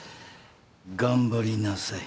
頑張りなさい。